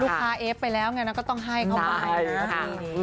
ถ้าเอฟไปแล้วอย่างนั้นก็ต้องให้เข้ามาให้นะ